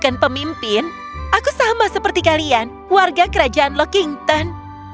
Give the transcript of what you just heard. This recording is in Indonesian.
bukan pemimpin aku sama seperti kalian warga kerajaan lockington